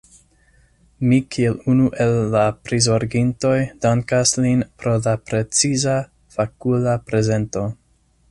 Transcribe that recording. Mi kiel unu el la prizorgintoj dankas lin pro la preciza, fakula prezento.